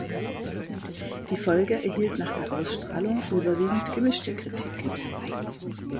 Die Folge erhielt nach der Ausstrahlung überwiegend gemischte Kritiken.